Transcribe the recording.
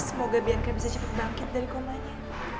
semoga bianca bisa cepet bangkit dari komanya